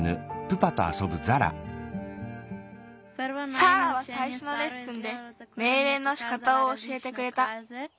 サーラはさいしょのレッスンでめいれいのしかたをおしえてくれた。